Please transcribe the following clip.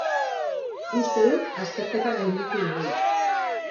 Uste dut azterketa gainditu dugula.